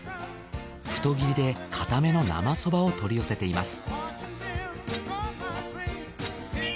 太切りで硬めの生そばを取り寄せています。